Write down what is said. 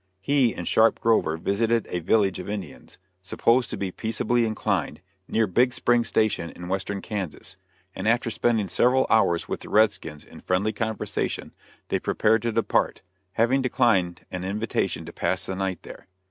He and Sharpe Grover visited a village of Indians, supposed to be peaceably inclined, near Big Spring Station, in Western Kansas; and after spending several hours with the redskins in friendly conversation, they prepared to depart, having declined an invitation to pass the night there.